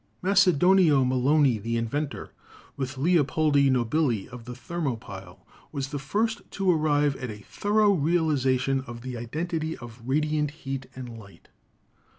Macedonio Melloni, the inventor with Leopoldi Nobili of the thermo pile, was the first to arrive at a thoro realization of the identity of radiant heat and light.